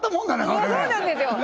これねそうなんですよ